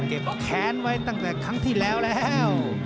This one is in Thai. แค้นไว้ตั้งแต่ครั้งที่แล้วแล้ว